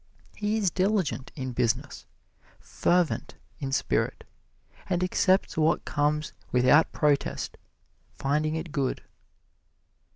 He is diligent in business, fervent in spirit, and accepts what comes without protest, finding it good.